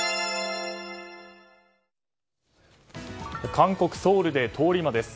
韓国ソウルで通り魔です。